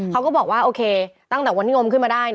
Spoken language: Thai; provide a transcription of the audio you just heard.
เขาก็บอกว่าโอเคตั้งแต่วันที่งมขึ้นมาได้